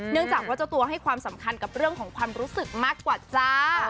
จากว่าเจ้าตัวให้ความสำคัญกับเรื่องของความรู้สึกมากกว่าจ้า